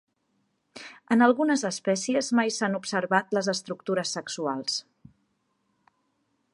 En algunes espècies mai s'han observat les estructures sexuals.